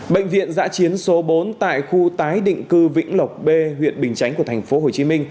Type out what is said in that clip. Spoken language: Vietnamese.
bệnh viện giã chiến số bốn tại khu tái định cư vĩnh lộc b huyện bình chánh của tp hcm